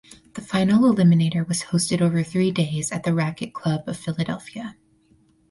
The Final Eliminator was hosted over three days at the Racquet Club of Philadelphia.